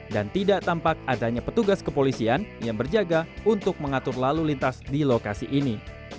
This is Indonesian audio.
tidak tampak adanya petugas kepolisian yang berjaga untuk mengatur lalu lintas di lokasi ini